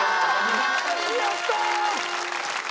やった！